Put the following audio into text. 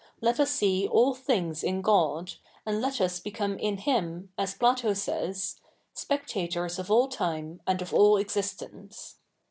Let us see all things in God, and let us beco?ne in JLifn, as Plato says, " spectators of all time, and of all existence."